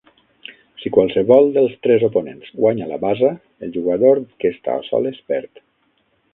Si qualsevol dels tres oponents guanya la basa, el jugador que està a soles perd.